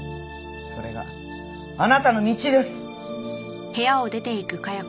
それがあなたの道です！